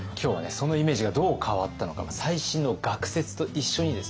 そのイメージがどう変わったのか最新の学説と一緒にですね